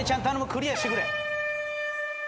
クリアしてくれ。